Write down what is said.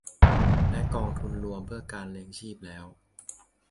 และกองทุนรวมเพื่อการเลี้ยงชีพแล้ว